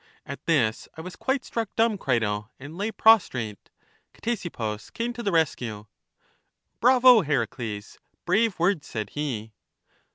At this I was quite struck dumb, Crito, and lay prostrate. Ctesippus came to the rescue. Bravo, Heracles, brave words, said he.